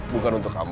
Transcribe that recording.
bukan untuk kamu